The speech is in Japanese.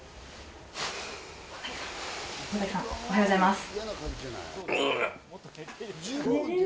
大竹さん、おはようございます。